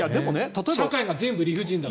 社会が全部理不尽だった。